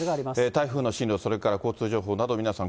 台風の進路、それから交通情報など、皆さん